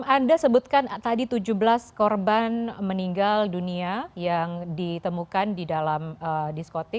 anda sebutkan tadi tujuh belas korban meninggal dunia yang ditemukan di dalam diskotik